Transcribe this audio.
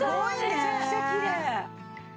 めちゃくちゃきれい。